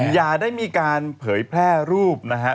อย่าได้มีการเผยแพร่รูปนะฮะ